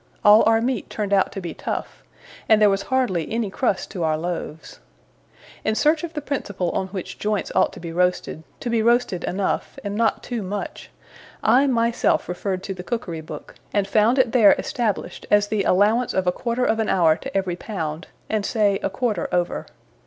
All our meat turned out to be tough, and there was hardly any crust to our loaves. In search of the principle on which joints ought to be roasted, to be roasted enough, and not too much, I myself referred to the Cookery Book, and found it there established as the allowance of a quarter of an hour to every pound, and say a quarter over.